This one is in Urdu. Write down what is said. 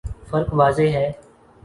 فرق واضح ہے۔